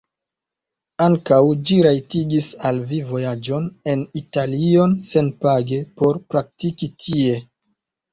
Ankaŭ ĝi rajtigis al li vojaĝon en Italion senpage por praktiki tie.